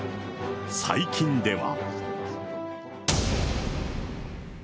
最近では。